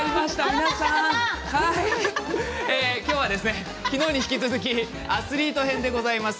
皆さん今日は昨日に引き続きアスリート編でございます。